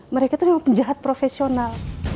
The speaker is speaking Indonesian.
mereka itu memang penjahat profesional